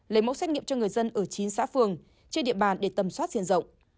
lấy mẫu xét nghiệm cho người dân ở chín xã phường trên địa bàn để tầm soát diện rộng